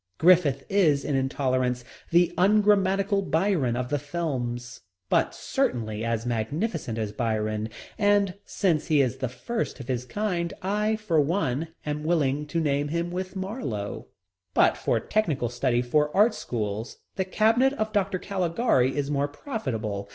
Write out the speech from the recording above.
Griffith is, in Intolerance, the ungrammatical Byron of the films, but certainly as magnificent as Byron, and since he is the first of his kind I, for one, am willing to name him with Marlowe. But for technical study for Art Schools, The Cabinet of Dr. Caligari is more profitable.